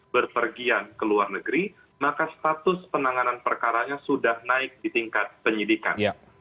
berpergian ke luar negeri maka status penanganan perkaranya sudah naik di tingkat penyidikan